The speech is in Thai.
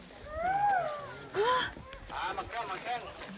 พ่อเขาพ่อเขา